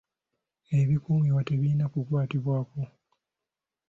Ebikuumibwa tebirina kukwatibwako.